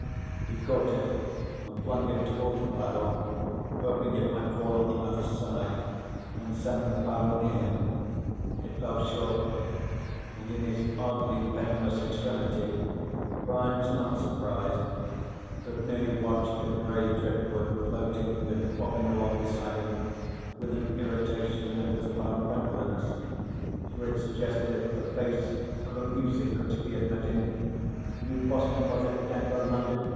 He caught it, and flung it toward the paddle, hoping it might fall on the other side and send the paddle near him. It fell short, and in his oddly painless extremity, Brian was not surprised, but merely watched the gray driftwood floating and bobbing along beside him with an irritation that was part friendliness, for it suggested the face of a music critic he had met in New Boston, was it? Denver? London?